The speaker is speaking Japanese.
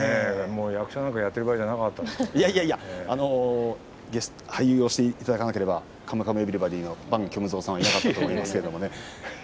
役者なんかいやいや俳優をしていただかなければ「カムカムエヴリバディ」の伴虚無蔵さんはいなかったと思いますけれども。